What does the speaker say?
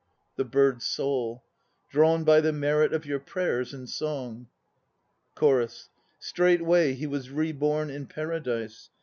THE BIRD'S SOUL. Drawn by the merit of your prayers and songs CHORUS. Straightway he was reborn in Paradise.